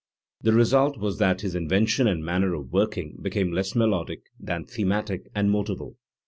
The result was that his invention and manner of working became less melodic than thematic and "motival".